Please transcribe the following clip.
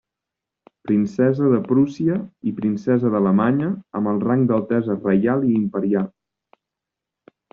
Princesa de Prússia i princesa d'Alemanya, amb el rang d'altesa reial i imperial.